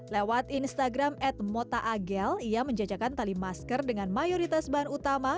lewat instagram at mota agel ia menjajakan tali masker dengan mayoritas bahan utama